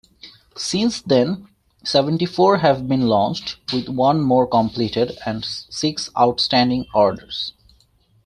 Since then, seventy-four have been launched, with one more completed, and six outstanding orders.